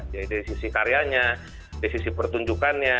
jadi dari sisi karyanya dari sisi pertunjukannya